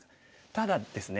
ただですね